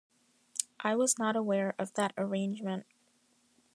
I was not aware of that arrangement.